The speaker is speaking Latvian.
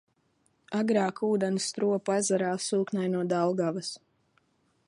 Agrāk ūdeni Stropu ezerā sūknēja no Daugavas.